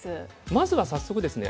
まずは早速ですね